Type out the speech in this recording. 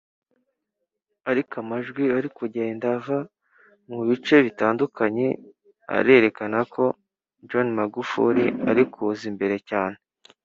ariko amajwi ari kugenda ava mu bice bitandukanye arerekana ko John Magufuli ari kuza imbere cyane